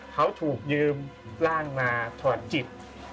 เขาถูกยืมร่างมาถอดจิต